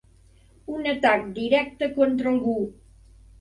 Un atac directe contra algú.